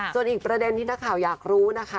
ส่วนอีกประเด็นที่นักข่าวอยากรู้นะคะ